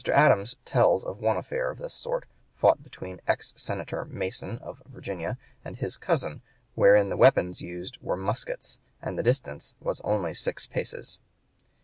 Adams tells of one affair of this sort, fought between ex Senator Mason, of Virginia, and his cousin, wherein the weapons used were muskets, and the distance was only six paces.